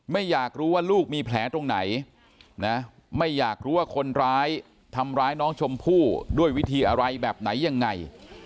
อยากรู้ว่าลูกมีแผลตรงไหนนะไม่อยากรู้ว่าคนร้ายทำร้ายน้องชมพู่ด้วยวิธีอะไรแบบไหนยังไง